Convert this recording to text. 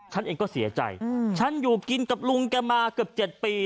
ฉันเองก็เสียใจฉันอยู่กินกับลุงแกมาเกือบ๗ปี